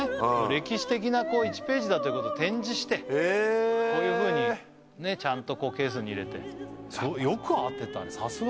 歴史的な１ページだということで展示してこういうふうにちゃんとケースに入れてさすがだね